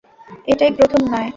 এটাই প্রথম নয়।